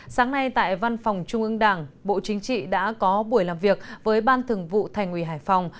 sáng nay tại văn phòng trung ương đảng bộ chính trị đã có buổi làm việc với ban thường vụ thành ủy hải phòng